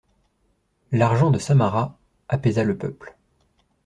L’argent de Samarra apaisa le peuple.